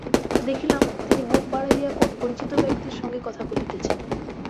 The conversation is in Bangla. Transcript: দেখিলাম, তিনি মুখ বাড়াইয়া কোন পরিচিত ব্যক্তির সহিত কথা কহিতেছেন।